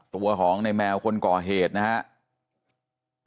ตัวของในแมวคนก่อเหตุนะครับ